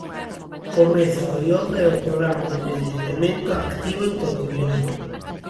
Comeza o ioga e o programa de envellecemento activo en Corcubión.